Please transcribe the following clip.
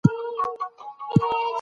خپل ماشومان په ساینسي علومو سمبال کړئ.